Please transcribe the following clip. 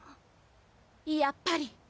やっぱり！